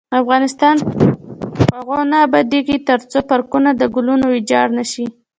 افغانستان تر هغو نه ابادیږي، ترڅو پارکونه او ګلونه ویجاړ نشي.